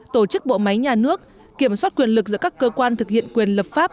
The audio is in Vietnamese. tổ chức bộ máy nhà nước kiểm soát quyền lực giữa các cơ quan thực hiện quyền lập pháp